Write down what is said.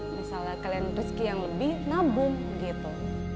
misalnya kalian rezeki yang lebih nabung gitu